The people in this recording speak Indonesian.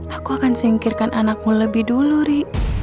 aku akan singkirkan anakmu lebih dulu ri